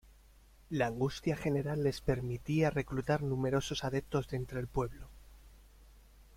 La angustia general les permitía reclutar numerosos adeptos de entre el pueblo.